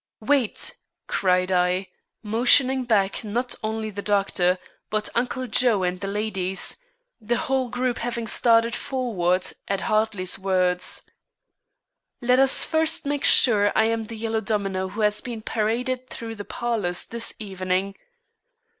"Wait!" cried I, motioning back not only the doctor, but Uncle Joe and the ladies the whole group having started forward at Hartley's words. "Let us first make sure I am the Yellow Domino who has been paraded through the parlors this evening.